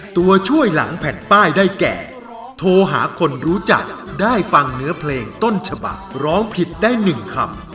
ตัวช่วยหลังแผ่นป้ายได้แก่โทรหาคนรู้จักได้ฟังเนื้อเพลงต้นฉบักร้องผิดได้๑คำ